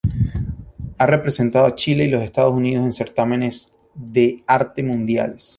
Ha representado a Chile y los Estados Unidos en certámenes de arte mundiales.